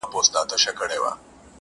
زه د تور توپان په شپه څپه یمه ورکېږمه -